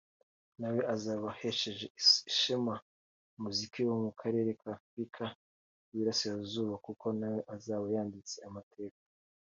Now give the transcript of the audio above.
nawe azaba ahesheje ishema umuziki wo mu karere k’Afrika y’Uburasirazuba kuko nawe azaba yanditse amateka